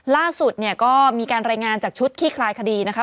ล่าสุดเนี่ยก็มีการรายงานจากชุดขี้คลายคดีนะคะ